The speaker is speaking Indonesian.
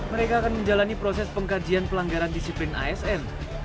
mereka akan menjalani proses pengkajian pelanggaran disiplin asn